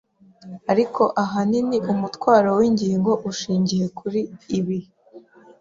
Ariko ahanini umutwaro w'ingingo ushingiye kuri ibi